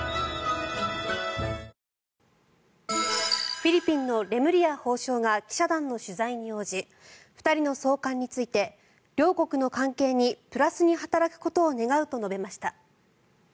フィリピンのレムリヤ法相が記者団の取材に応じ２人の送還について両国の関係にプラスに働くことを願うと述べました。